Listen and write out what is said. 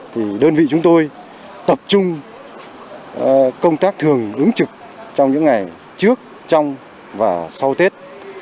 thì đơn vị chúng tôi tập trung công tác thường ứng trực trong những ngày trước trong và sau tết